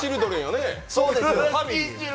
そうです！